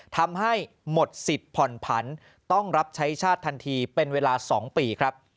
ทำให้หมดสิทธิ์ผ่อนผันต้องรับใช้ชาติทันทีเป็นเวลา๒ปีครับ